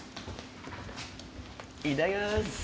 いただきます！